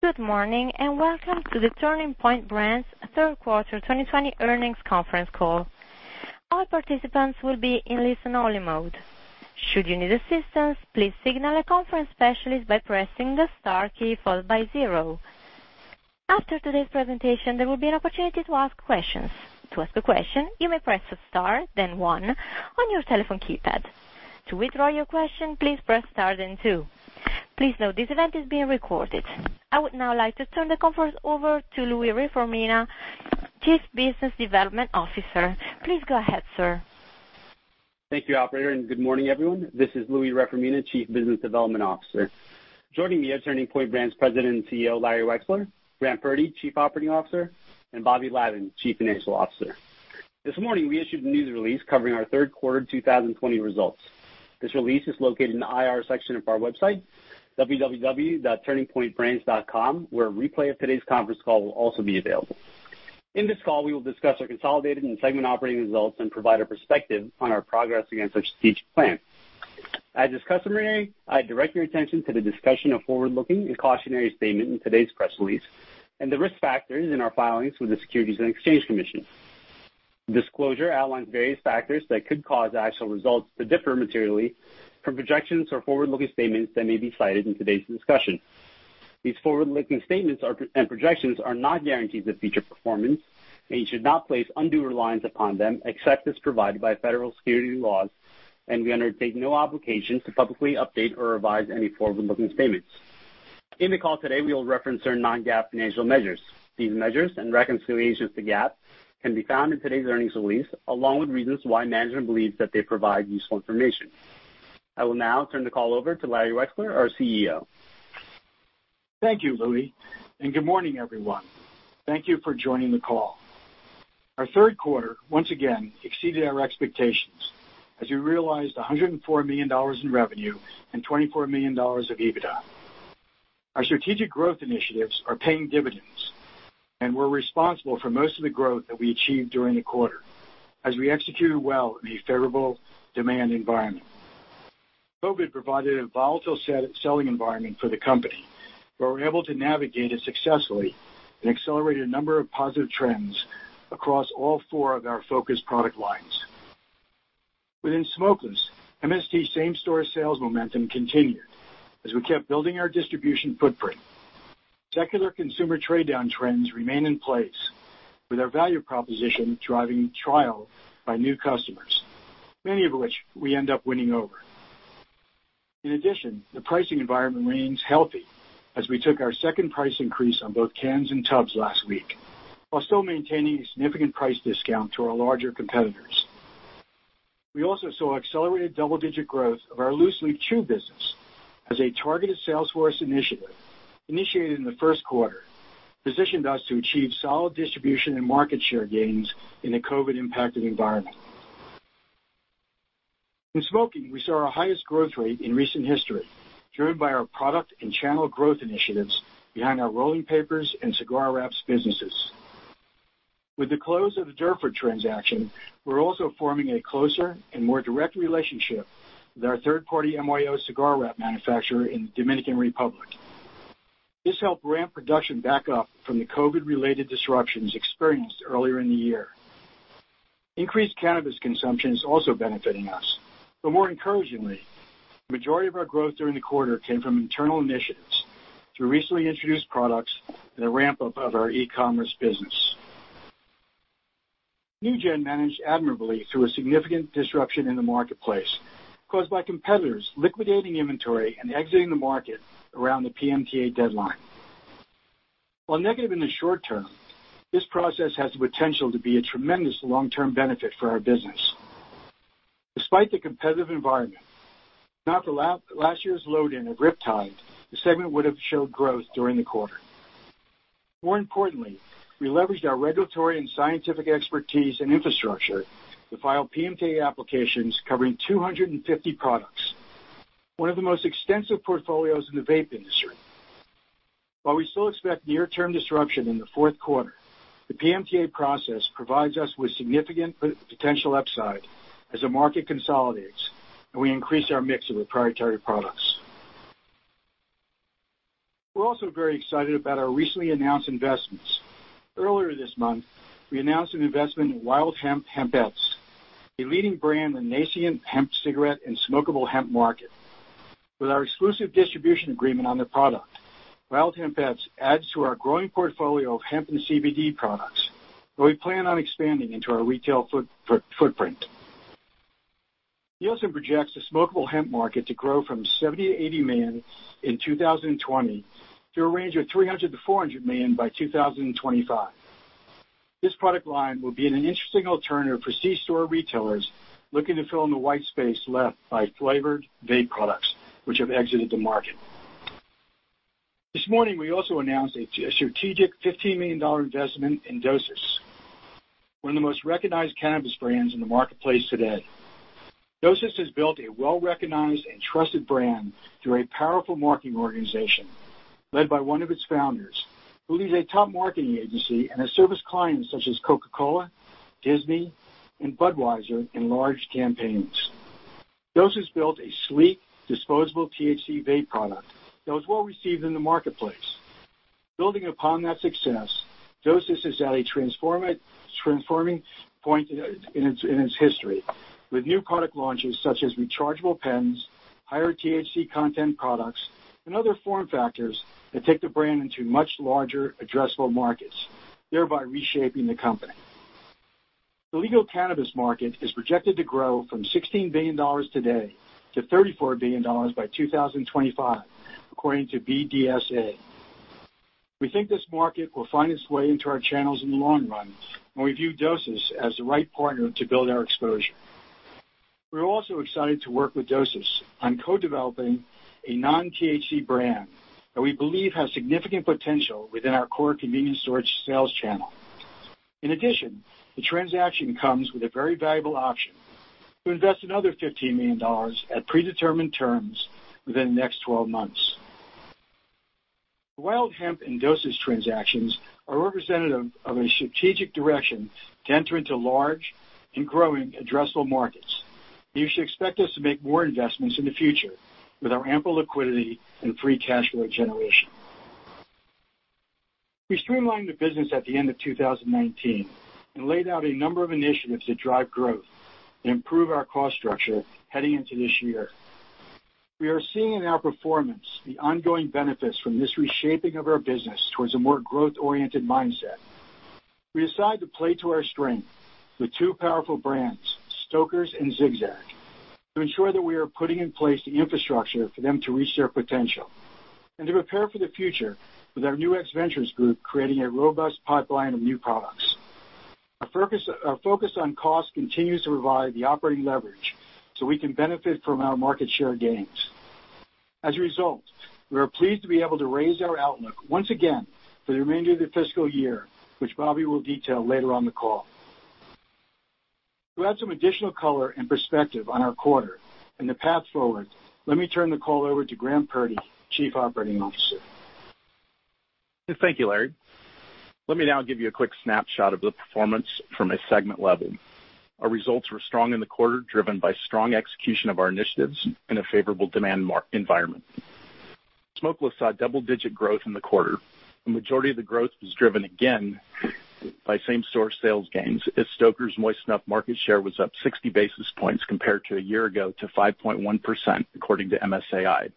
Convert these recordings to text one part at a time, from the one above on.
Good morning, and welcome to the Turning Point Brands Third Quarter 2020 Earnings Conference Call. All participants will be in listen only mode, should you need assistance please signal conference specialist by pressing star key followed by zero, after today's presentation there will be an opportunity to ask questions, to ask a question you may press star then one on your telephone keypad, to withdraw your question, please press star then two, please know this event is being recorded. I would now like to turn the conference over to Louie Reformina, Chief Business Development Officer. Please go ahead, sir. Thank you, operator, and good morning, everyone. This is Louie Reformina, Chief Business Development Officer. Joining me are Turning Point Brands President and Chief Executive Officer, Larry Wexler; Graham Purdy, Chief Operating Officer; and Bobby Lavan, Chief Financial Officer. This morning, we issued a news release covering our third quarter 2020 results. This release is located in the IR section of our website, www.turningpointbrands.com, where a replay of today's conference call will also be available. In this call, we will discuss our consolidated and segment operating results and provide a perspective on our progress against our strategic plan. As is customary, I direct your attention to the discussion of forward-looking and cautionary statement in today's press release and the risk factors in our filings with the Securities and Exchange Commission. Disclosure outlines various factors that could cause actual results to differ materially from projections or forward-looking statements that may be cited in today's discussion. These forward-looking statements and projections are not guarantees of future performance, and you should not place undue reliance upon them except as provided by federal security laws, and we undertake no obligation to publicly update or revise any forward-looking statements. In the call today, we will reference our non-GAAP financial measures. These measures and reconciliations to GAAP can be found in today's earnings release, along with reasons why management believes that they provide useful information. I will now turn the call over to Larry Wexler, our CEO. Thank you, Louie, good morning, everyone. Thank you for joining the call. Our third quarter, once again, exceeded our expectations as we realized $104 million in revenue and $24 million of EBITDA. Our strategic growth initiatives are paying dividends, we're responsible for most of the growth that we achieved during the quarter as we executed well in a favorable demand environment. COVID provided a volatile selling environment for the company, we were able to navigate it successfully and accelerate a number of positive trends across all four of our focused product lines. Within smokeless, MST same-store sales momentum continued as we kept building our distribution footprint. Secular consumer trade-down trends remain in place, with our value proposition driving trial by new customers, many of which we end up winning over. In addition, the pricing environment remains healthy as we took our second price increase on both cans and tubs last week, while still maintaining a significant price discount to our larger competitors. We also saw accelerated double-digit growth of our loose-leaf chew business as a targeted sales force initiative, initiated in the first quarter, positioned us to achieve solid distribution and market share gains in a COVID-impacted environment. In smoking, we saw our highest growth rate in recent history, driven by our product and channel growth initiatives behind our rolling papers and cigar wraps businesses. With the close of the Durfort transaction, we're also forming a closer and more direct relationship with our third-party MYO cigar wrap manufacturer in Dominican Republic. This helped ramp production back up from the COVID-related disruptions experienced earlier in the year. Increased cannabis consumption is also benefiting us. More encouragingly, the majority of our growth during the quarter came from internal initiatives through recently introduced products and a ramp-up of our e-commerce business. NewGen managed admirably through a significant disruption in the marketplace caused by competitors liquidating inventory and exiting the market around the PMTA deadline. While negative in the short term, this process has the potential to be a tremendous long-term benefit for our business. Despite the competitive environment, not for last year's load in at RipTide, the segment would have showed growth during the quarter. More importantly, we leveraged our regulatory and scientific expertise and infrastructure to file PMTA applications covering 250 products, one of the most extensive portfolios in the vape industry. While we still expect near-term disruption in the fourth quarter, the PMTA process provides us with significant potential upside as the market consolidates, and we increase our mix of proprietary products. We're also very excited about our recently announced investments. Earlier this month, we announced an investment in Wild Hemp Hempettes, a leading brand in the nascent hemp cigarette and smokable hemp market. With our exclusive distribution agreement on their product, Wild Hemp Hempettes adds to our growing portfolio of hemp and CBD products that we plan on expanding into our retail footprint. We also projects the smokable hemp market to grow from $70 million-$80 million in 2020 to a range of $300 million-$400 million by 2025. This product line will be an interesting alternative for C-store retailers looking to fill in the white space left by flavored vape products, which have exited the market. This morning, we also announced a strategic $15 million investment in dosist, one of the most recognized cannabis brands in the marketplace today. Dosist has built a well-recognized and trusted brand through a powerful marketing organization led by one of its founders, who leads a top marketing agency and has serviced clients such as Coca-Cola, Disney, and Budweiser in large campaigns. Dosist built a sleek, disposable THC vape product that was well received in the marketplace. Building upon that success, dosist is at a transforming point in its history, with new product launches such as rechargeable pens, higher THC content products, and other form factors that take the brand into much larger addressable markets, thereby reshaping the company. The legal cannabis market is projected to grow from $16 billion today to $34 billion by 2025, according to BDSA. We think this market will find its way into our channels in the long run, and we view dosist as the right partner to build our exposure. We're also excited to work with dosist on co-developing a non-THC brand that we believe has significant potential within our core convenience store sales channel. In addition, the transaction comes with a very valuable option to invest another $15 million at predetermined terms within the next 12 months. The Wild Hemp and dosist transactions are representative of a strategic direction to enter into large and growing addressable markets. You should expect us to make more investments in the future with our ample liquidity and free cash flow generation. We streamlined the business at the end of 2019 and laid out a number of initiatives to drive growth and improve our cost structure heading into this year. We are seeing in our performance the ongoing benefits from this reshaping of our business towards a more growth-oriented mindset. We decided to play to our strength with two powerful brands, Stoker's and Zig-Zag, to ensure that we are putting in place the infrastructure for them to reach their potential and to prepare for the future with our new Nu-X Ventures group creating a robust pipeline of new products. Our focus on cost continues to provide the operating leverage so we can benefit from our market share gains. As a result, we are pleased to be able to raise our outlook once again for the remainder of the fiscal year, which Bobby will detail later on the call. To add some additional color and perspective on our quarter and the path forward, let me turn the call over to Graham Purdy, Chief Operating Officer. Thank you, Larry. Let me now give you a quick snapshot of the performance from a segment level. Our results were strong in the quarter, driven by strong execution of our initiatives and a favorable demand environment. Smokeless saw double-digit growth in the quarter. The majority of the growth was driven, again, by same-store sales gains, as Stoker's Moist Snuff market share was up 60 basis points compared to a year ago to 5.1%, according to MSAi.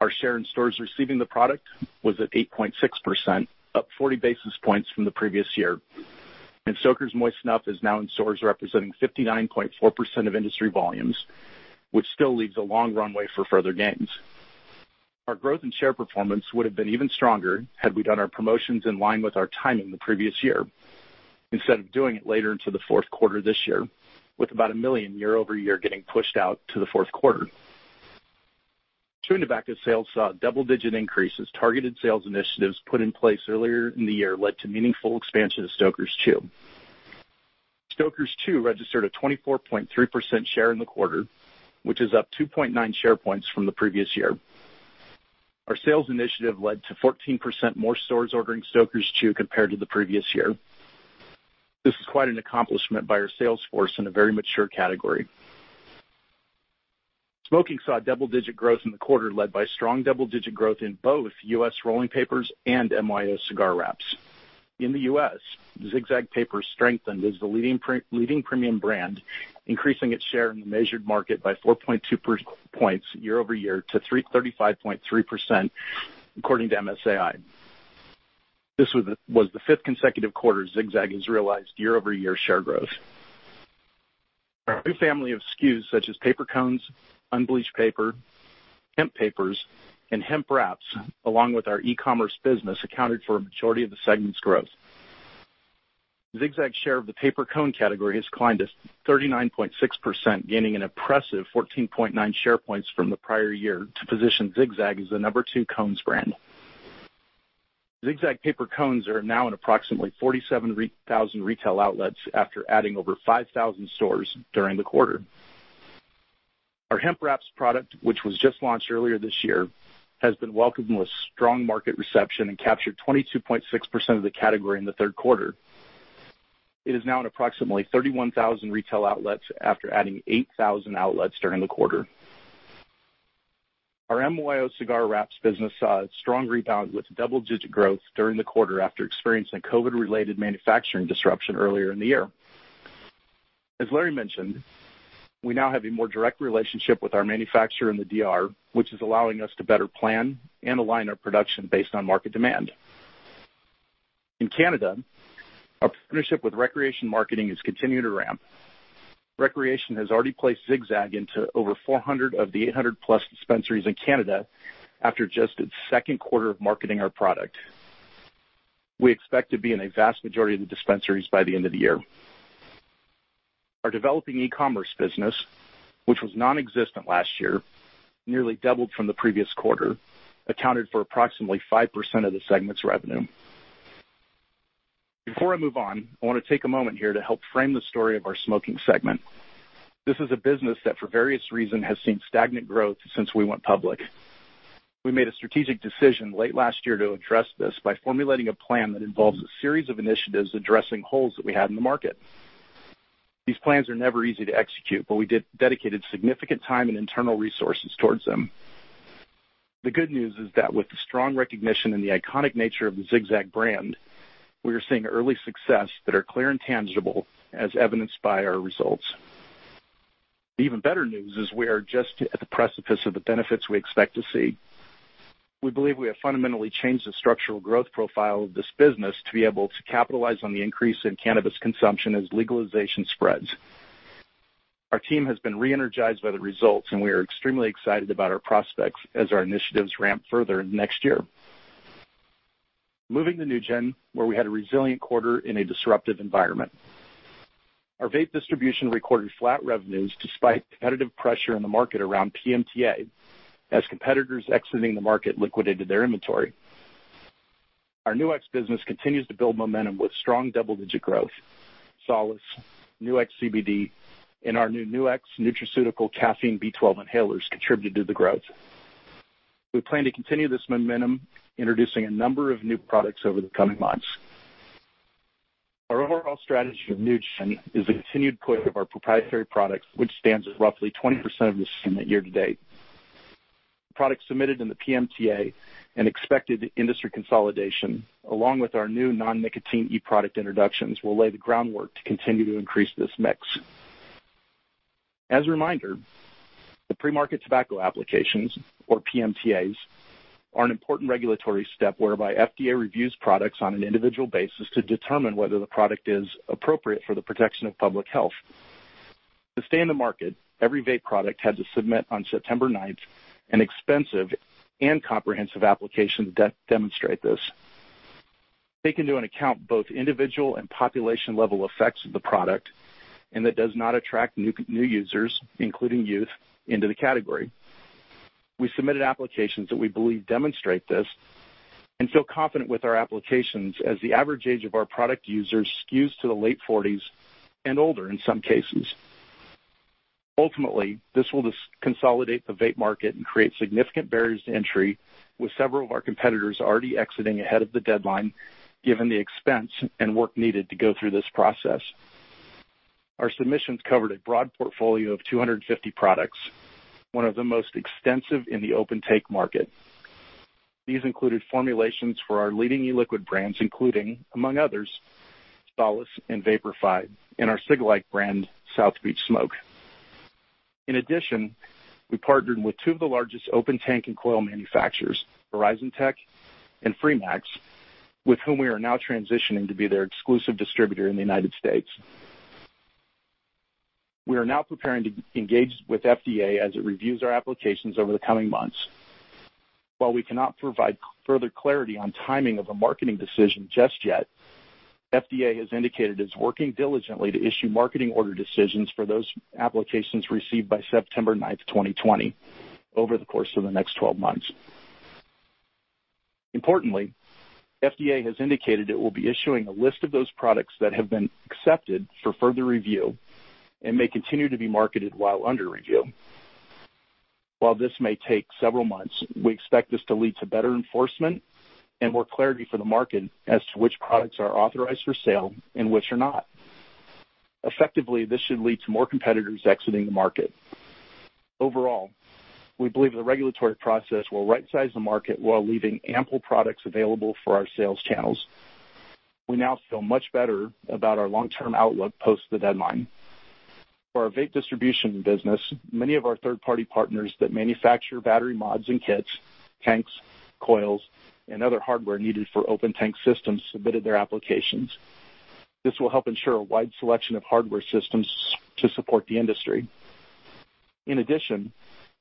Our share in stores receiving the product was at 8.6%, up 40 basis points from the previous year. Stoker's Moist Snuff is now in stores representing 59.4% of industry volumes, which still leaves a long runway for further gains. Our growth and share performance would have been even stronger had we done our promotions in line with our timing the previous year, instead of doing it later into the fourth quarter this year, with about $1 million year-over-year getting pushed out to the fourth quarter. Chewing tobacco sales saw double-digit increases. Targeted sales initiatives put in place earlier in the year led to meaningful expansion of Stoker's Chew. Stoker's Chew registered a 24.3% share in the quarter, which is up 2.9 share points from the previous year. Our sales initiative led to 14% more stores ordering Stoker's Chew compared to the previous year. This is quite an accomplishment by our sales force in a very mature category. Smoking saw double-digit growth in the quarter, led by strong double-digit growth in both U.S. rolling papers and MYO cigar wraps. In the U.S., Zig-Zag papers strengthened as the leading premium brand, increasing its share in the measured market by 4.2 points year-over-year to 35.3%, according to MSAi. This was the fifth consecutive quarter Zig-Zag has realized year-over-year share growth. Our new family of SKUs, such as paper cones, unbleached paper, hemp papers, and hemp wraps, along with our e-commerce business, accounted for a majority of the segment's growth. Zig-Zag's share of the paper cone category has climbed to 39.6%, gaining an impressive 14.9 share points from the prior year to position Zig-Zag as the number two cones brand. Zig-Zag paper cones are now in approximately 47,000 retail outlets after adding over 5,000 stores during the quarter. Our hemp wraps product, which was just launched earlier this year, has been welcomed with strong market reception and captured 22.6% of the category in the third quarter. It is now in approximately 31,000 retail outlets after adding 8,000 outlets during the quarter. Our MYO cigar wraps business saw a strong rebound with double-digit growth during the quarter after experiencing COVID-related manufacturing disruption earlier in the year. As Larry mentioned, we now have a more direct relationship with our manufacturer in the D.R., which is allowing us to better plan and align our production based on market demand. In Canada, our partnership with ReCreation Marketing has continued to ramp. ReCreation has already placed Zig-Zag into over 400 of the 800-plus dispensaries in Canada after just its second quarter of marketing our product. We expect to be in a vast majority of the dispensaries by the end of the year. Our developing e-commerce business, which was non-existent last year, nearly doubled from the previous quarter, accounted for approximately 5% of the segment's revenue. Before I move on, I want to take a moment here to help frame the story of our smoking segment. This is a business that for various reasons has seen stagnant growth since we went public. We made a strategic decision late last year to address this by formulating a plan that involves a series of initiatives addressing holes that we had in the market. These plans are never easy to execute, but we dedicated significant time and internal resources towards them. The good news is that with the strong recognition and the iconic nature of the Zig-Zag brand, we are seeing early success that are clear and tangible, as evidenced by our results. The even better news is we are just at the precipice of the benefits we expect to see. We believe we have fundamentally changed the structural growth profile of this business to be able to capitalize on the increase in cannabis consumption as legalization spreads. Our team has been re-energized by the results, and we are extremely excited about our prospects as our initiatives ramp further into next year. Moving to NewGen, where we had a resilient quarter in a disruptive environment. Our vape distribution recorded flat revenues despite competitive pressure in the market around PMTA, as competitors exiting the market liquidated their inventory. Our Nu-X business continues to build momentum with strong double-digit growth. Solace, Nu-X CBD, and our new Nu-X nutraceutical caffeine B12 inhalers contributed to the growth. We plan to continue this momentum, introducing a number of new products over the coming months. Our overall strategy of NewGen is a continued push of our proprietary product, which stands at roughly 20% of the segment year to date. Products submitted in the PMTA and expected industry consolidation, along with our new non-nicotine e-product introductions, will lay the groundwork to continue to increase this mix. As a reminder, the pre-market tobacco applications, or PMTAs, are an important regulatory step whereby FDA reviews products on an individual basis to determine whether the product is appropriate for the protection of public health. To stay in the market, every vape product had to submit on September ninth an expensive and comprehensive application to demonstrate this. Take into account both individual and population-level effects of the product and that does not attract new users, including youth, into the category. We submitted applications that we believe demonstrate this and feel confident with our applications as the average age of our product users skews to the late 40s and older in some cases. Ultimately, this will consolidate the vape market and create significant barriers to entry with several of our competitors already exiting ahead of the deadline, given the expense and work needed to go through this process. Our submissions covered a broad portfolio of 250 products, one of the most extensive in the open tank market. These included formulations for our leading e-liquid brands including, among others, Solace and VaporFi, and our cig-like brand, South Beach Smoke. In addition, we partnered with two of the largest open tank and coil manufacturers, HorizonTech and Freemax, with whom we are now transitioning to be their exclusive distributor in the United States. We are now preparing to engage with FDA as it reviews our applications over the coming months. While we cannot provide further clarity on timing of a marketing decision just yet, FDA has indicated it's working diligently to issue marketing order decisions for those applications received by September 9th, 2020 over the course of the next 12 months. Importantly, FDA has indicated it will be issuing a list of those products that have been accepted for further review and may continue to be marketed while under review. While this may take several months, we expect this to lead to better enforcement and more clarity for the market as to which products are authorized for sale and which are not. Effectively, this should lead to more competitors exiting the market. Overall, we believe the regulatory process will right-size the market while leaving ample products available for our sales channels. We now feel much better about our long-term outlook post the deadline. For our vape distribution business, many of our third-party partners that manufacture battery mods and kits, tanks, coils, and other hardware needed for open tank systems submitted their applications. This will help ensure a wide selection of hardware systems to support the industry. In addition,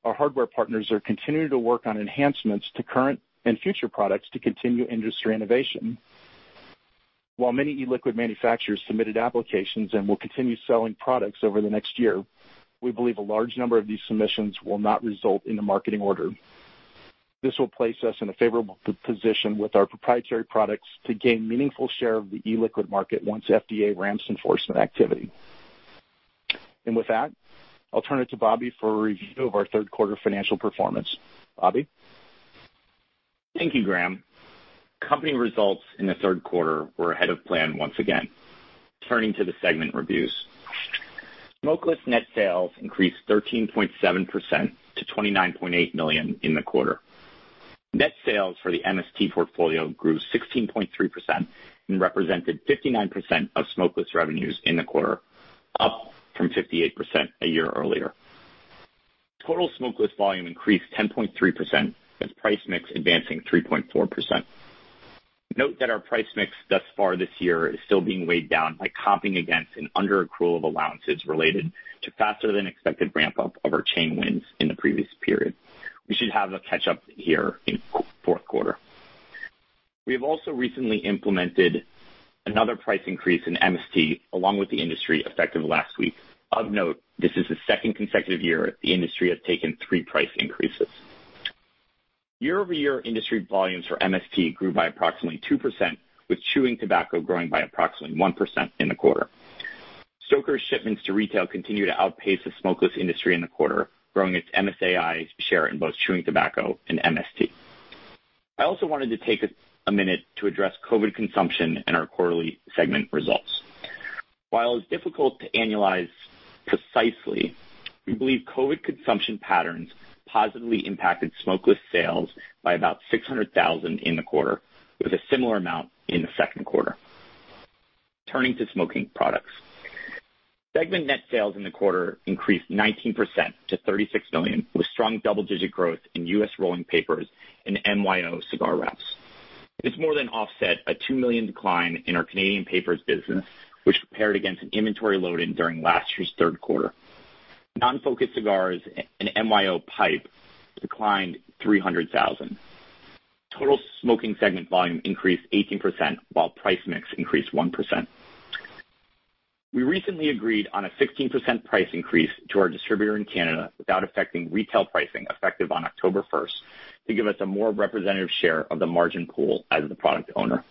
our hardware partners are continuing to work on enhancements to current and future products to continue industry innovation. While many e-liquid manufacturers submitted applications and will continue selling products over the next year, we believe a large number of these submissions will not result in a marketing order. This will place us in a favorable position with our proprietary products to gain meaningful share of the e-liquid market once FDA ramps enforcement activity. With that, I'll turn it to Bobby for a review of our third quarter financial performance. Bobby? Thank you, Graham. Company results in the third quarter were ahead of plan once again. Turning to the segment reviews. Smokeless net sales increased 13.7% to $29.8 million in the quarter. Net sales for the MST portfolio grew 16.3% and represented 59% of smokeless revenues in the quarter, up from 58% a year earlier. Total smokeless volume increased 10.3% with price mix advancing 3.4%. Note that our price mix thus far this year is still being weighed down by comping against an under-accrual of allowances related to faster than expected ramp-up of our chain wins in the previous period. We should have a catch-up here in fourth quarter. We have also recently implemented another price increase in MST along with the industry effective last week. Of note, this is the second consecutive year the industry has taken three price increases. Year-over-year industry volumes for MST grew by approximately 2% with chewing tobacco growing by approximately 1% in the quarter. Stoker's shipments to retail continue to outpace the smokeless industry in the quarter, growing its MSAi share in both chewing tobacco and MST. I also wanted to take a minute to address COVID consumption and our quarterly segment results. While it is difficult to annualize precisely, we believe COVID consumption patterns positively impacted smokeless sales by about $600,000 in the quarter, with a similar amount in the second quarter. Turning to smoking products. Segment net sales in the quarter increased 19% to $36 million, with strong double-digit growth in U.S. rolling papers and MYO cigar wraps. This more than offset a $2 million decline in our Canadian papers business, which compared against an inventory load-in during last year's third quarter. Non-focused cigars and MYO pipe declined $300,000. Total smoking segment volume increased 18%, while price mix increased 1%. We recently agreed on a 16% price increase to our distributor in Canada without affecting retail pricing effective on October 1st, to give us a more representative share of the margin pool as the product owner.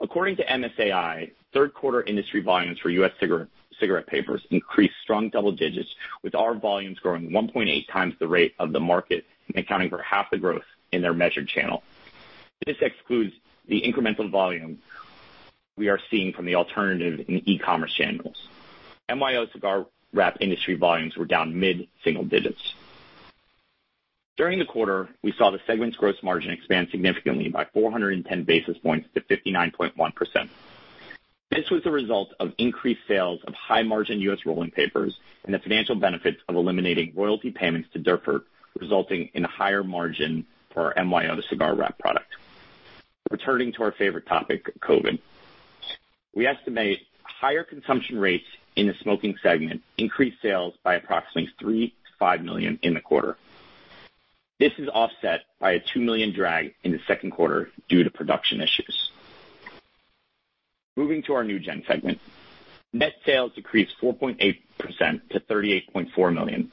According to MSAi, third quarter industry volumes for U.S. cigarette papers increased strong double digits, with our volumes growing 1.8 times the rate of the market and accounting for half the growth in their measured channel. This excludes the incremental volume we are seeing from the alternative in e-commerce channels. MYO cigar wrap industry volumes were down mid-single digits. During the quarter, we saw the segment's gross margin expand significantly by 410 basis points to 59.1%. This was the result of increased sales of high-margin U.S. rolling papers and the financial benefits of eliminating royalty payments to Durfort, resulting in a higher margin for our MYO cigar wrap product. Returning to our favorite topic, COVID. We estimate higher consumption rates in the smoking segment increased sales by approximately $3 million-$5 million in the quarter. This is offset by a $2 million drag in the second quarter due to production issues. Moving to our NewGen segment. Net sales decreased 4.8%-$38.4 million.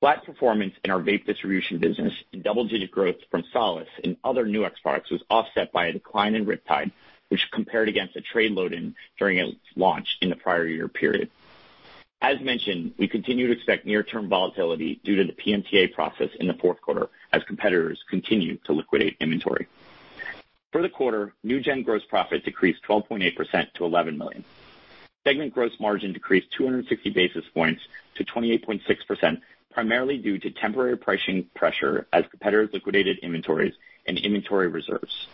Flat performance in our vape distribution business and double-digit growth from Solace and other new products was offset by a decline in RipTide, which compared against a trade load-in during its launch in the prior year period. As mentioned, we continue to expect near-term volatility due to the PMTA process in the fourth quarter as competitors continue to liquidate inventory. For the quarter, New Gen gross profit decreased 12.8% to $11 million. Segment gross margin decreased 260 basis points to 28.6%, primarily due to temporary pricing pressure as competitors liquidated inventories and inventory reserves.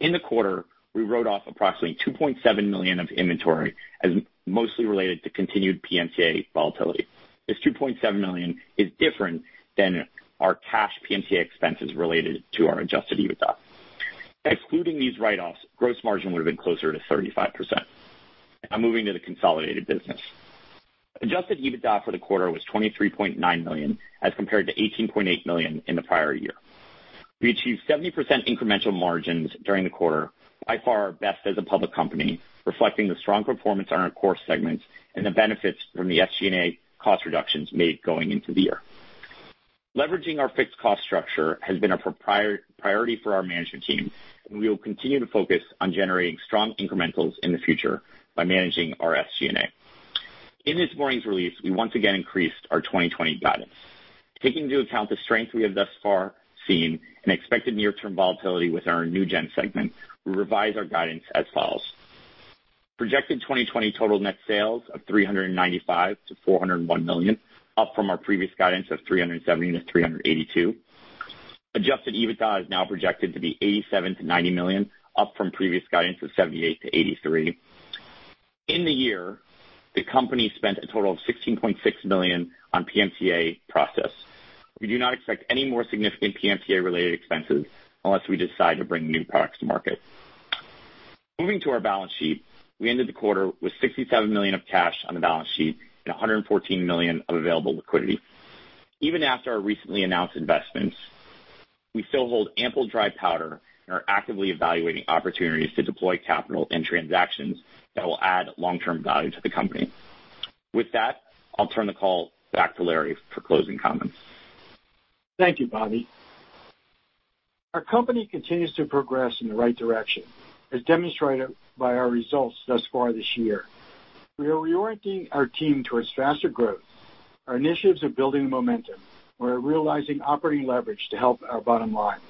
In the quarter, we wrote off approximately $2.7 million of inventory as mostly related to continued PMTA volatility. This $2.7 million is different than our cash PMTA expenses related to our adjusted EBITDA. Excluding these write-offs, gross margin would have been closer to 35%. Now moving to the consolidated business. Adjusted EBITDA for the quarter was $23.9 million as compared to $18.8 million in the prior year. We achieved 70% incremental margins during the quarter, by far our best as a public company, reflecting the strong performance on our core segments and the benefits from the SG&A cost reductions made going into the year. Leveraging our fixed cost structure has been a priority for our management team, and we will continue to focus on generating strong incrementals in the future by managing our SG&A. In this morning's release, we once again increased our 2020 guidance. Taking into account the strength we have thus far seen and expected near-term volatility with our NewGen segment, we revise our guidance as follows. Projected 2020 total net sales of $395 million-$401 million, up from our previous guidance of $370 million-$382 million. Adjusted EBITDA is now projected to be $87 million-$90 million, up from previous guidance of $78 million-$83 million. In the year, the company spent a total of $16.6 million on PMTA process. We do not expect any more significant PMTA-related expenses unless we decide to bring new products to market. Moving to our balance sheet, we ended the quarter with $67 million of cash on the balance sheet and $114 million of available liquidity. Even after our recently announced investments, we still hold ample dry powder and are actively evaluating opportunities to deploy capital in transactions that will add long-term value to the company. With that, I'll turn the call back to Larry for closing comments. Thank you, Bobby. Our company continues to progress in the right direction, as demonstrated by our results thus far this year. We are reorienting our team towards faster growth. Our initiatives are building momentum. We're realizing operating leverage to help our bottom line.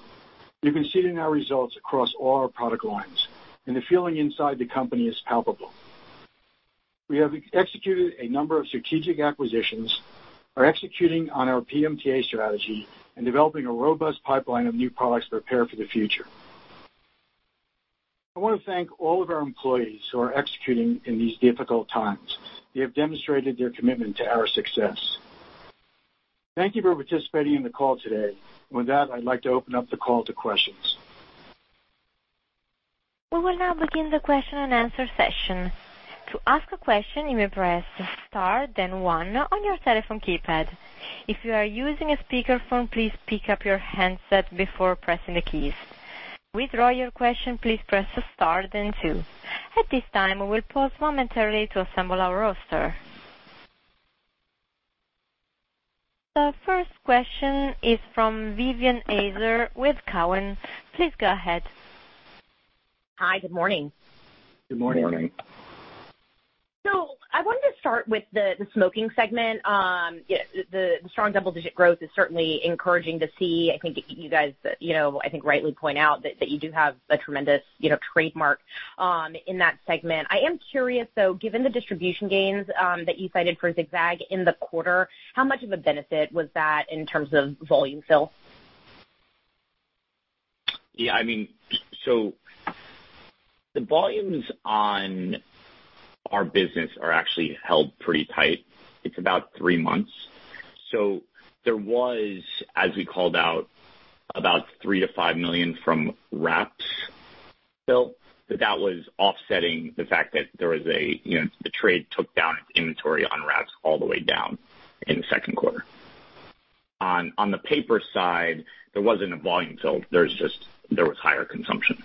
You can see it in our results across all our product lines. The feeling inside the company is palpable. We have executed a number of strategic acquisitions, are executing on our PMTA strategy, and developing a robust pipeline of new products to prepare for the future. I want to thank all of our employees who are executing in these difficult times. They have demonstrated their commitment to our success. Thank you for participating in the call today. With that, I'd like to open up the call to questions. We will now begin the question and answer session, to ask a question you may press star then one on your telephone keypad, if you are using speaker phone please pick up your handset before pressing the keys, to withdraw your question please press star then two. At this time, we will pause momentarily to assemble our roster. The first question is from Vivien Azer with Cowen. Please go ahead. Hi. Good morning. Good morning. I wanted to start with the smoking segment. The strong double-digit growth is certainly encouraging to see. I think you guys, I think rightly point out that you do have a tremendous trademark in that segment. I am curious, though, given the distribution gains that you cited for Zig-Zag in the quarter, how much of a benefit was that in terms of volume fill? The volumes on our business are actually held pretty tight. It's about three months. There was, as we called out about $3 million-$5 million from wraps fill, but that was offsetting the fact that the trade took down its inventory on wraps all the way down in the second quarter. On the paper side, there wasn't a volume fill. There was higher consumption.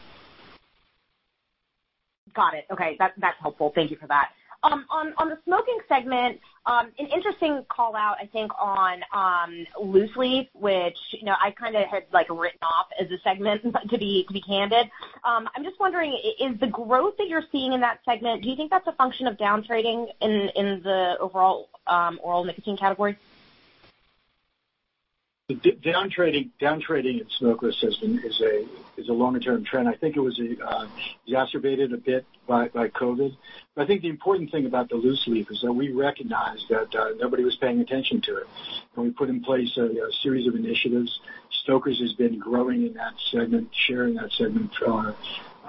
Got it. Okay. That's helpful. Thank you for that. On the smoking segment, an interesting call-out, I think, on loose-leaf, which I had written off as a segment, to be candid. I'm just wondering, is the growth that you're seeing in that segment, do you think that's a function of down-trading in the overall oral nicotine category? Down-trading in the smokeless system is a longer-term trend. I think it was exacerbated a bit by COVID. I think the important thing about the loose-leaf is that we recognized that nobody was paying attention to it. When we put in place a series of initiatives, Stoker's has been growing in that segment, sharing that segment on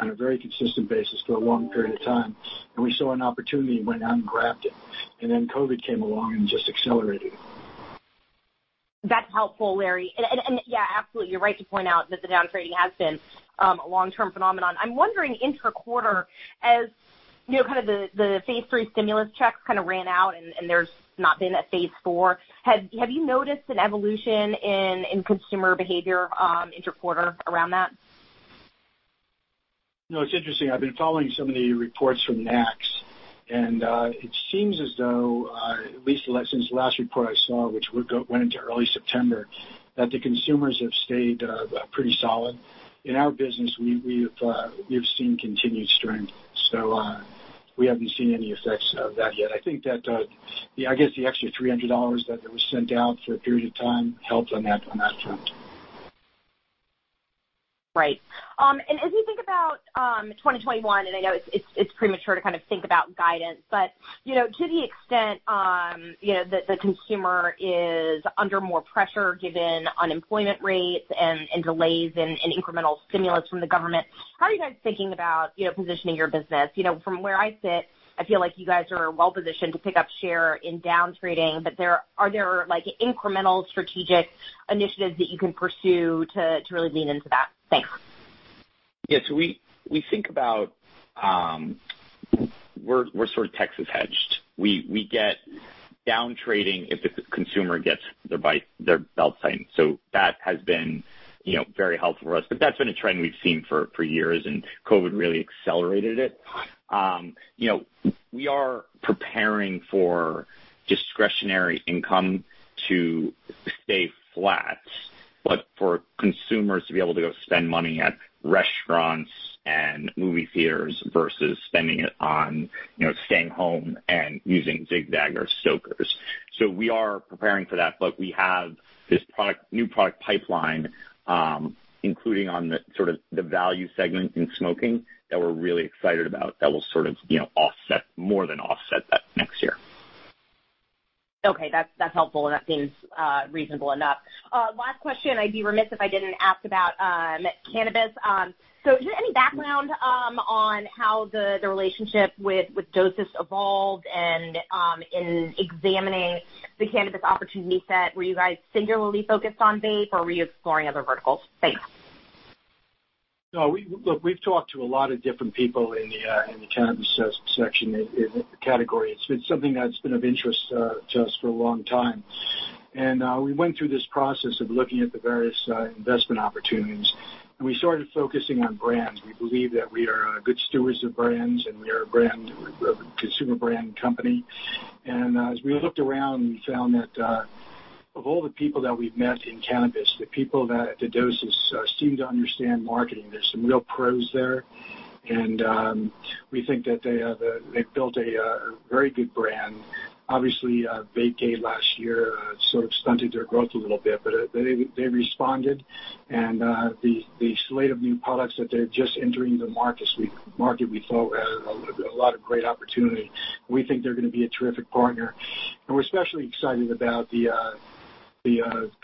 a very consistent basis for a long period of time. We saw an opportunity, went out, and grabbed it. Then COVID came along and just accelerated it. That's helpful, Larry. Yeah, absolutely, you're right to point out that the down-trading has been a long-term phenomenon. I'm wondering intra-quarter as the phase three stimulus checks ran out and there's not been a phase four, have you noticed an evolution in consumer behavior intra-quarter around that? It's interesting. I've been following some of the reports from NACS, and it seems as though, at least since the last report I saw, which went into early September, that the consumers have stayed pretty solid. In our business, we've seen continued strength. We haven't seen any effects of that yet. I think that the extra $300 that was sent out for a period of time helped on that front. Right. As we think about 2021, and I know it's premature to think about guidance, but to the extent that the consumer is under more pressure given unemployment rates and delays in incremental stimulus from the government, how are you guys thinking about positioning your business? From where I sit, I feel like you guys are well-positioned to pick up share in down-trading, but are there incremental strategic initiatives that you can pursue to really lean into that? Thanks. Yeah. We think about, we're sort of Texas hedged. We get down-trading if the consumer gets their belt tightened. That has been very helpful for us. That's been a trend we've seen for years, and COVID really accelerated it. We are preparing for discretionary income to stay flat, but for consumers to be able to go spend money at restaurants and movie theaters versus spending it on staying home and using Zig-Zag or Stoker's. We are preparing for that, but we have this new product pipeline, including on the value segment in smoking, that we're really excited about that will more than offset that next year. Okay. That's helpful, and that seems reasonable enough. Last question, I'd be remiss if I didn't ask about cannabis. Is there any background on how the relationship with dosist evolved and in examining the cannabis opportunity set, were you guys singularly focused on vape, or were you exploring other verticals? Thanks. Look, we've talked to a lot of different people in the cannabis section category. It's been something that's been of interest to us for a long time. We went through this process of looking at the various investment opportunities, and we started focusing on brands. We believe that we are good stewards of brands, and we are a consumer brand company. As we looked around, we found that of all the people that we've met in cannabis, the people at dosist seem to understand marketing. There's some real pros there. We think that they've built a very good brand. Obviously, Vapegate last year stunted their growth a little bit, but they responded, and the slate of new products that they're just entering the market, we saw a lot of great opportunity. We think they're going to be a terrific partner. We're especially excited about the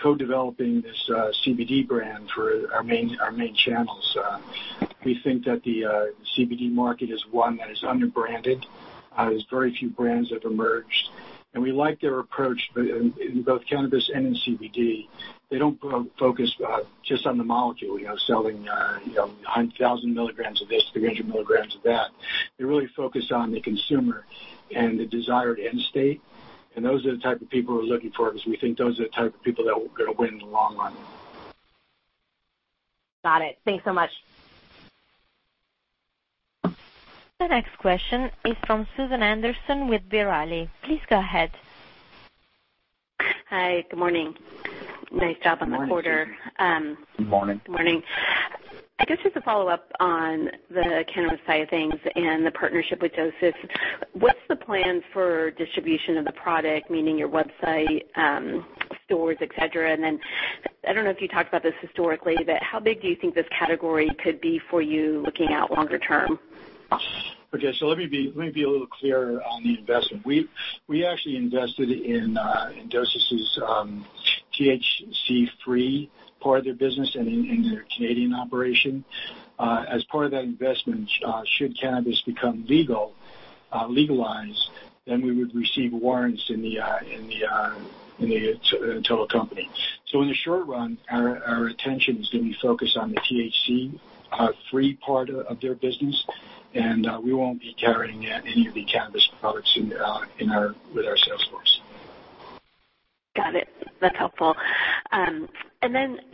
co-developing this CBD brand for our main channels. We think that the CBD market is one that is under-branded. There's very few brands that have emerged. We like their approach in both cannabis and in CBD. They don't focus just on the molecule, selling 1,000 milligrams of this, 300 milligrams of that. They're really focused on the consumer and the desired end state, and those are the type of people we're looking for because we think those are the type of people that are going to win in the long run. Got it. Thanks so much. The next question is from Susan Anderson with B. Riley. Please go ahead. Hi. Good morning. Nice job on the quarter. Good morning. Good morning. I guess just a follow-up on the cannabis side of things and the partnership with dosist. What's the plan for distribution of the product, meaning your website, stores, et cetera? I don't know if you talked about this historically, but how big do you think this category could be for you looking out longer term? Let me be a little clearer on the investment. We actually invested in dosist THC-free part of their business and in their Canadian operation. As part of that investment, should cannabis become legalized, then we would receive warrants in the total company. In the short run, our attention is going to be focused on the THC-free part of their business, and we won't be carrying any of the cannabis products with our sales force. Got it. That's helpful.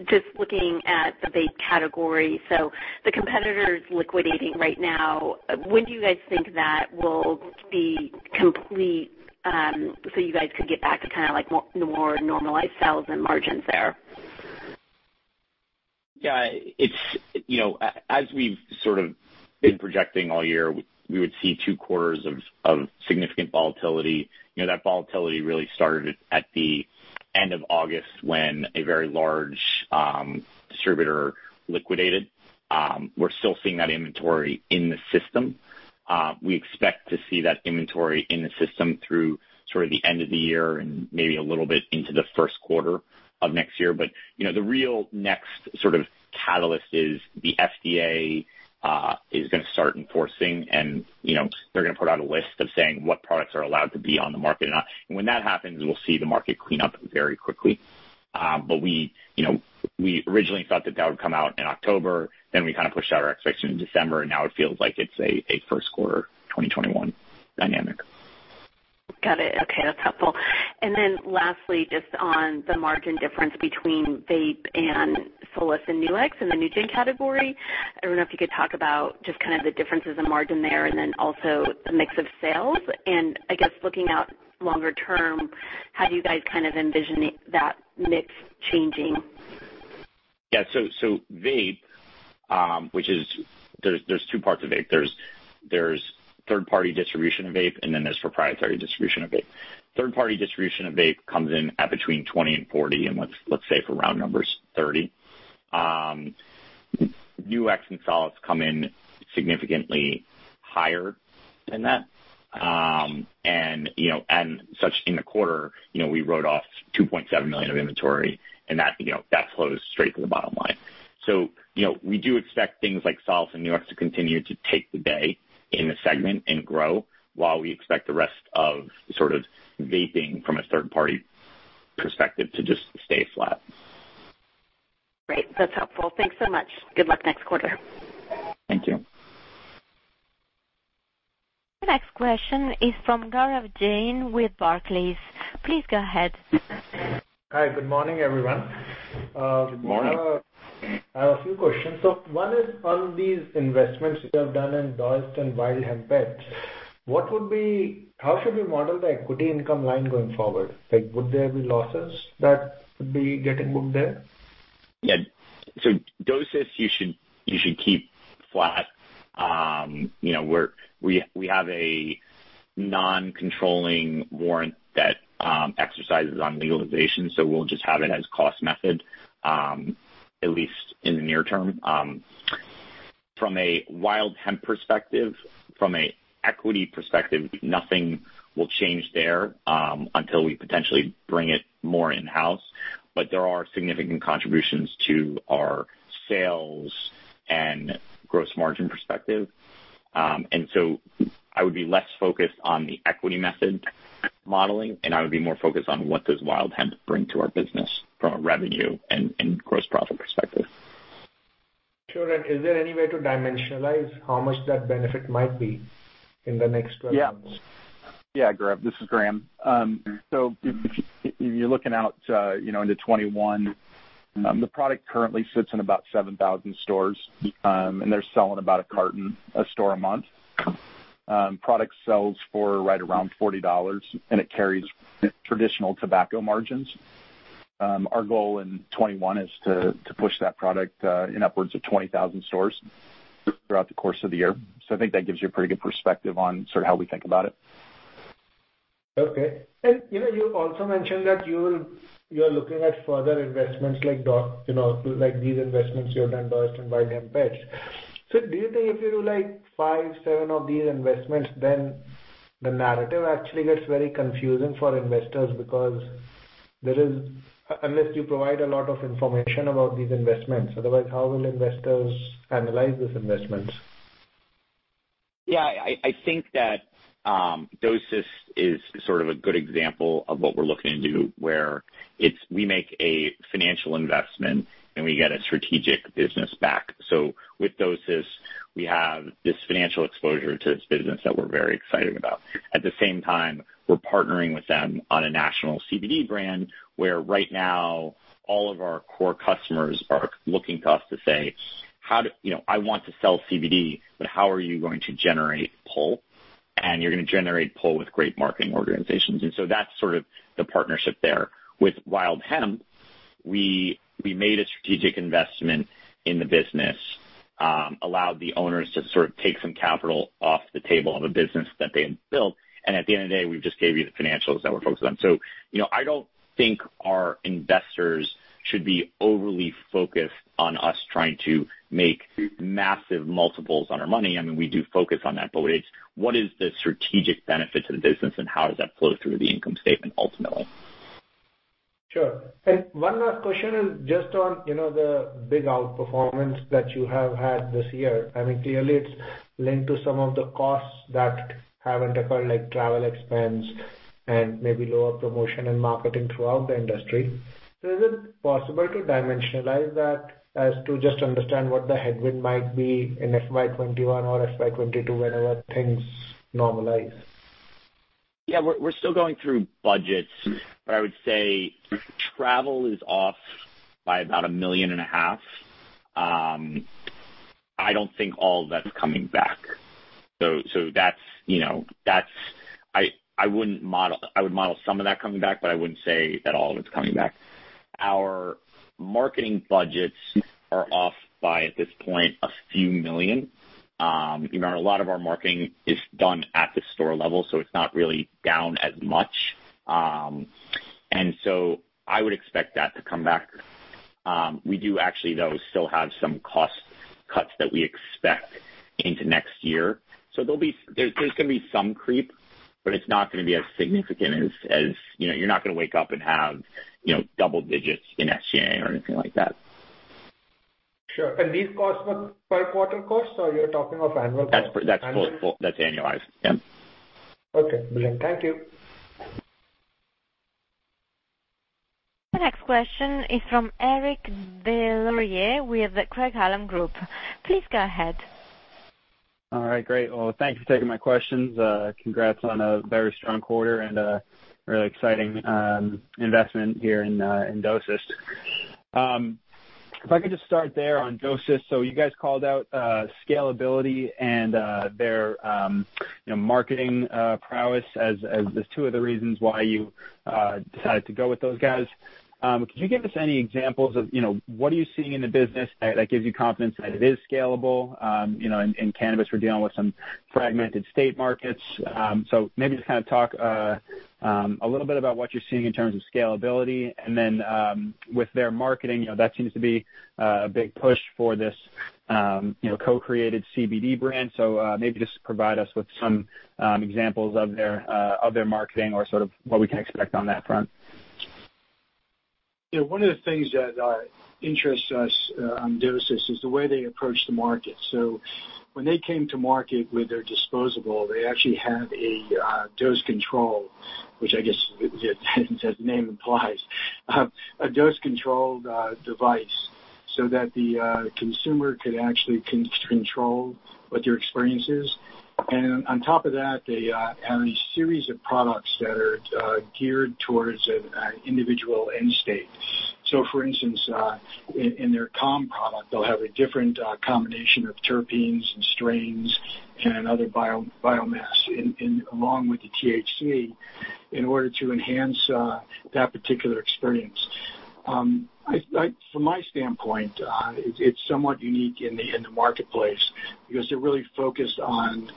Just looking at the vape category, the competitor is liquidating right now. When do you guys think that will be complete so you guys could get back to more normalized sales and margins there? Yeah. As we've sort of been projecting all year, we would see two quarters of significant volatility. That volatility really started at the end of August when a very large distributor liquidated. We're still seeing that inventory in the system. We expect to see that inventory in the system through the end of the year and maybe a little bit into the first quarter of next year. The real next sort of catalyst is the FDA is going to start enforcing, and they're going to put out a list of saying what products are allowed to be on the market or not. When that happens, we'll see the market clean up very quickly. We originally thought that that would come out in October, then we kind of pushed out our expectation to December, and now it feels like it's a first quarter 2021 dynamic. Got it. Okay, that's helpful. Lastly, just on the margin difference between vape and Solace and Nu-X in the NewGen category, I don't know if you could talk about just kind of the differences in margin there, and then also the mix of sales. I guess looking out longer term, how do you guys kind of envision that mix changing? Vape, there's two parts of vape. There's third-party distribution of vape, and then there's proprietary distribution of vape. Third-party distribution of vape comes in at between 20 and 40, and let's say for round numbers, 30. Nu-X and Solace come in significantly higher than that. Such in the quarter, we wrote off $2.7 million of inventory, and that flows straight to the bottom line. We do expect things like Solace and Nu-X to continue to take the day in the segment and grow, while we expect the rest of sort of vaping from a third-party perspective to just stay flat. Great. That's helpful. Thanks so much. Good luck next quarter. Thank you. The next question is from Gaurav Jain with Barclays. Please go ahead. Hi. Good morning, everyone. Good morning. I have a few questions. One is on these investments you have done in dosist and Wild Hemp Hempettes, how should we model the equity income line going forward? Like, would there be losses that would be getting booked there? Yeah. dosist, you should keep flat. We have a non-controlling warrant that exercises on legalization, we'll just have it as cost method, at least in the near term. From a Wild Hemp perspective, from a equity perspective, nothing will change there until we potentially bring it more in-house. There are significant contributions to our sales and gross margin perspective. I would be less focused on the equity method modeling, and I would be more focused on what does Wild Hemp bring to our business from a revenue and gross profit perspective. Sure. Is there any way to dimensionalize how much that benefit might be in the next 12 months? Yeah. Yeah, Gaurav. This is Graham. If you're looking out into 2021, the product currently sits in about 7,000 stores, and they're selling about a carton a store a month. Product sells for right around $40, and it carries traditional tobacco margins. Our goal in 2021 is to push that product in upwards of 20,000 stores throughout the course of the year. I think that gives you a pretty good perspective on sort of how we think about it. Okay. You've also mentioned that you're looking at further investments like these investments you've done, dosist and Wild Hemp Hempettes. Do you think if you do, like, five, seven of these investments, then the narrative actually gets very confusing for investors because, unless you provide a lot of information about these investments, otherwise, how will investors analyze these investments? Yeah, I think that dosist is sort of a good example of what we're looking to do, where we make a financial investment. We get a strategic business back. With dosist, we have this financial exposure to this business that we're very excited about. At the same time, we're partnering with them on a national CBD brand, where right now, all of our core customers are looking to us to say, I want to sell CBD. How are you going to generate pull? You're going to generate pull with great marketing organizations. That's sort of the partnership there. With Wild Hemp, we made a strategic investment in the business, allowed the owners to take some capital off the table of a business that they had built. At the end of the day, we just gave you the financials that we're focused on. I don't think our investors should be overly focused on us trying to make massive multiples on our money. We do focus on that, but what is the strategic benefit to the business and how does that flow through the income statement ultimately? Sure. One last question is just on the big outperformance that you have had this year. Clearly it's linked to some of the costs that haven't occurred, like travel expense and maybe lower promotion and marketing throughout the industry. Is it possible to dimensionalize that as to just understand what the headwind might be in FY 2021 or FY 2022 whenever things normalize? We're still going through budgets, but I would say travel is off by about a million and a half. I don't think all of that's coming back. I would model some of that coming back, but I wouldn't say that all of it's coming back. Our marketing budgets are off by, at this point, a few million. A lot of our marketing is done at the store level, so it's not really down as much. I would expect that to come back. We do actually, though, still have some cost cuts that we expect into next year. There's going to be some creep, but it's not going to be as significant as, you're not going to wake up and have double digits in SG&A or anything like that. Sure. These costs were per quarter costs, or you're talking of annual costs? That's annualized. Yeah. Okay, brilliant. Thank you. The next question is from Eric Des Lauriers with the Craig-Hallum Group. Please go ahead. All right. Great. Well, thank you for taking my questions. Congrats on a very strong quarter and a really exciting investment here in dosist. If I could just start there on dosist. You guys called out scalability and their marketing prowess as the two of the reasons why you decided to go with those guys. Could you give us any examples of what are you seeing in the business that gives you confidence that it is scalable? In cannabis, we're dealing with some fragmented state markets. Maybe just kind of talk a little bit about what you're seeing in terms of scalability and then with their marketing, that seems to be a big push for this co-created CBD brand. Maybe just provide us with some examples of their marketing or sort of what we can expect on that front. One of the things that interests us on dosist is the way they approach the market. When they came to market with their disposable, they actually have a dose control, which I guess as the name implies, a dose-controlled device so that the consumer could actually control what their experience is. On top of that, they have a series of products that are geared towards an individual end state. For instance, in their calm product, they'll have a different combination of terpenes and strains and other biomass along with the THC in order to enhance that particular experience. From my standpoint, it's somewhat unique in the marketplace because they're really focused on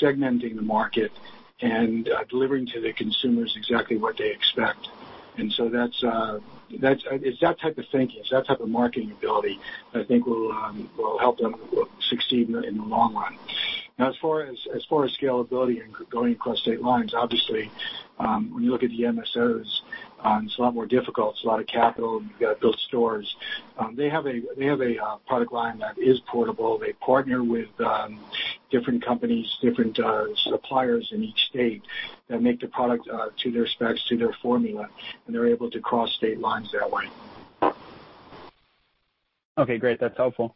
segmenting the market and delivering to the consumers exactly what they expect. It's that type of thinking, it's that type of marketing ability that I think will help them succeed in the long run. Now, as far as scalability and going across state lines, obviously, when you look at the MSOs, it's a lot more difficult. It's a lot of capital, and you've got to build stores. They have a product line that is portable. They partner with different companies, different suppliers in each state that make the product to their specs, to their formula, and they're able to cross state lines that way. Okay, great. That's helpful.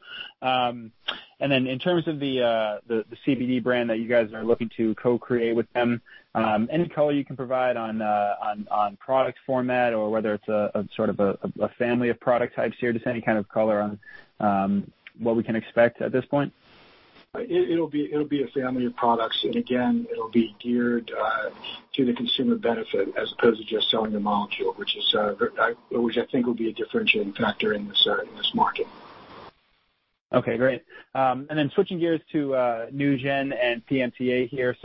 Then in terms of the CBD brand that you guys are looking to co-create with them, any color you can provide on product format or whether it's a sort of a family of product types here, just any kind of color on what we can expect at this point? It'll be a family of products, and again, it'll be geared to the consumer benefit as opposed to just selling the molecule, which I think will be a differentiating factor in this market. Okay, great. Switching gears to NewGen and PMTA here.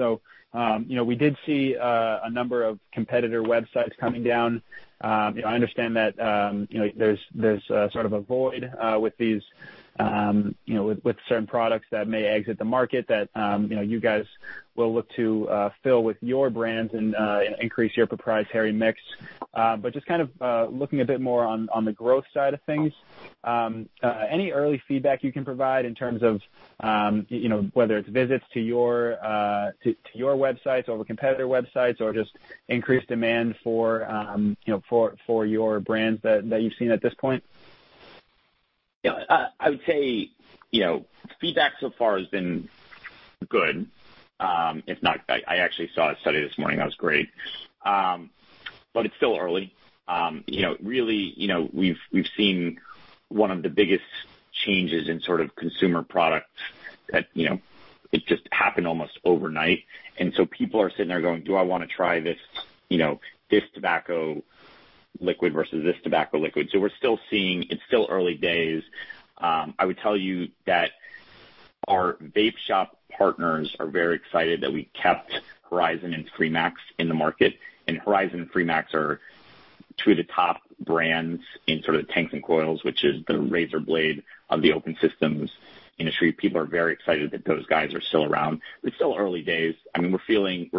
We did see a number of competitor websites coming down. I understand that there's a void with certain products that may exit the market that you guys will look to fill with your brands and increase your proprietary mix. Just kind of looking a bit more on the growth side of things, any early feedback you can provide in terms of whether it's visits to your websites over competitor websites or just increased demand for your brands that you've seen at this point? I would say feedback so far has been good. I actually saw it started this morning. That was great. It's still early. Really, we've seen one of the biggest changes in consumer products that it just happened almost overnight. People are sitting there going, "Do I want to try this tobacco liquid versus this tobacco liquid?" We're still seeing, it's still early days. I would tell you that our vape shop partners are very excited that we kept Horizon and FreeMax in the market. Horizon and FreeMax are two of the top brands in tanks and coils, which is the razor blade of the open systems industry. People are very excited that those guys are still around. It's still early days. We're feeling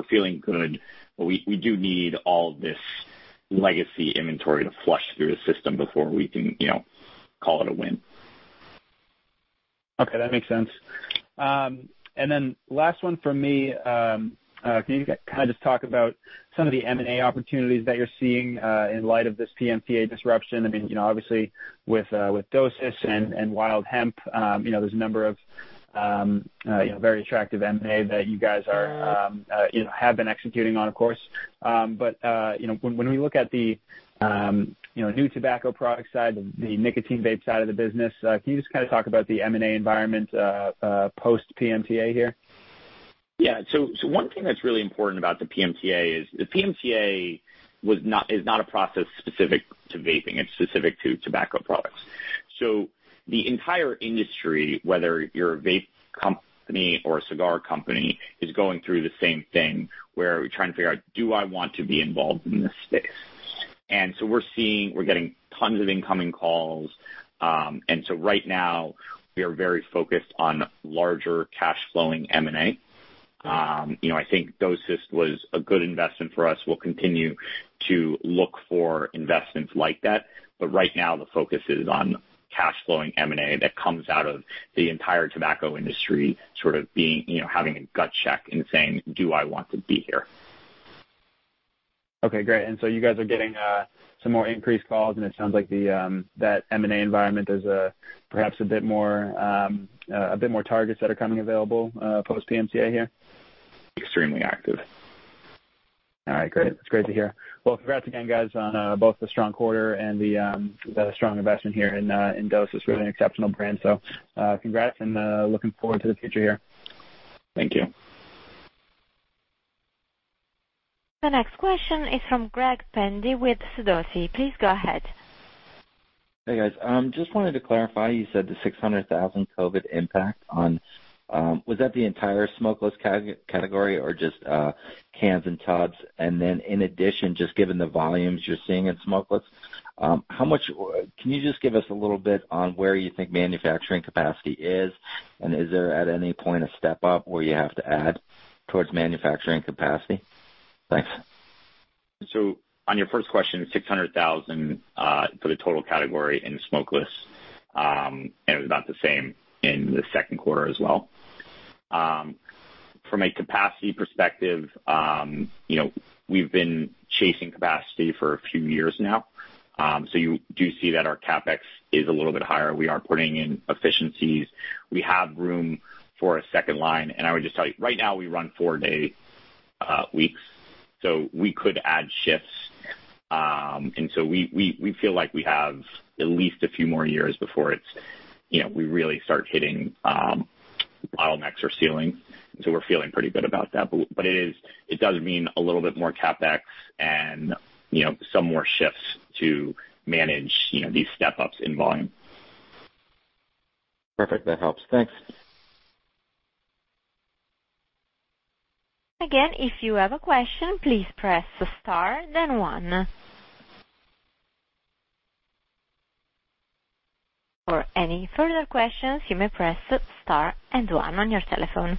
good. We do need all of this legacy inventory to flush through the system before we can call it a win. Okay, that makes sense. Then last one from me. Can you just talk about some of the M&A opportunities that you're seeing in light of this PMTA disruption? Obviously, with dosist and Wild Hemp, there's a number of very attractive M&A that you guys have been executing on, of course. When we look at the new tobacco product side, the nicotine vape side of the business, can you just talk about the M&A environment post PMTA here? Yeah. One thing that's really important about the PMTA is the PMTA is not a process specific to vaping, it's specific to tobacco products. The entire industry, whether you're a vape company or a cigar company, is going through the same thing, where we're trying to figure out, do I want to be involved in this space? We're getting tons of incoming calls, and so right now, we are very focused on larger cash flowing M&A. I think dosist was a good investment for us. We'll continue to look for investments like that. Right now, the focus is on cash flowing M&A that comes out of the entire tobacco industry having a gut check and saying, "Do I want to be here? Okay, great. You guys are getting some more increased calls, and it sounds like that M&A environment is perhaps a bit more targets that are coming available post PMTA here? Extremely active. All right, great. That's great to hear. Well, congrats again, guys, on both the strong quarter and the strong investment here in dosist. Really an exceptional brand. Congrats and looking forward to the future here. Thank you. The next question is from Greg Pendy with Sidoti. Please go ahead. Hey, guys. Just wanted to clarify, you said the $600,000 COVID impact. Was that the entire smokeless category or just cans and tubs? In addition, just given the volumes you're seeing in smokeless, can you just give us a little bit on where you think manufacturing capacity is? Is there at any point a step up where you have to add towards manufacturing capacity? Thanks. On your first question, 600,000 for the total category in smokeless, and it was about the same in the second quarter as well. From a capacity perspective, we've been chasing capacity for a few years now. You do see that our CapEx is a little bit higher. We are putting in efficiencies. We have room for a second line, and I would just tell you, right now, we run four-day weeks. We could add shifts, and we feel like we have at least a few more years before we really start hitting bottlenecks or ceilings. We're feeling pretty good about that. It does mean a little bit more CapEx and some more shifts to manage these step-ups in volume. Perfect. That helps. Thanks. Again, if you have a question, please press star then one. For any further questions, you may press star and one on your telephone.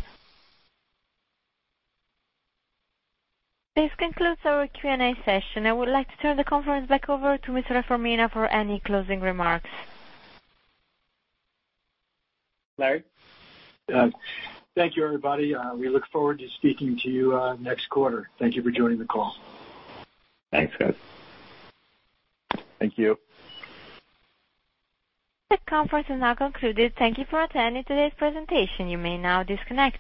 This concludes our Q&A session. I would like to turn the conference back over to Mr. Reformina for any closing remarks. Larry? Thank you, everybody. We look forward to speaking to you next quarter. Thank you for joining the call. Thanks, guys. Thank you. The conference is now concluded. Thank you for attending today's presentation. You may now disconnect.